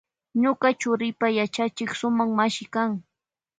Ñuka churipa yachachik sumak mashi kan.